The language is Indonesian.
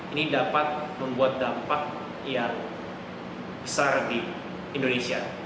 ini dapat membuat dampak yang besar di indonesia